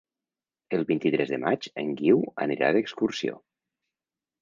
El vint-i-tres de maig en Guiu anirà d'excursió.